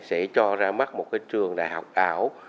sẽ cho ra mắt một cái trường đại học ảo